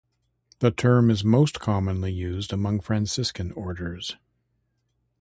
The term is most commonly used among Franciscan Orders.